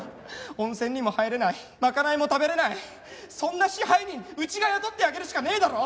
温泉にも入れない賄いも食べれないそんな支配人うちが雇ってあげるしかねえだろ。